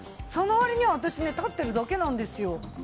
その割にはね私立ってるだけなんですよ。